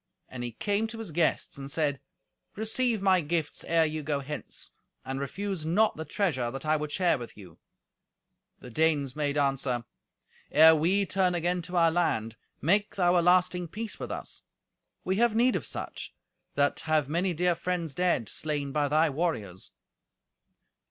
And he came to his guests, and said, "Receive my gifts ere you go hence, and refuse not the treasure that I would share with you." The Danes made answer, "Ere we turn again to our land, make thou a lasting peace with us. We have need of such, that have many dear friends dead, slain by thy warriors."